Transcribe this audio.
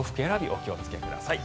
お気をつけください。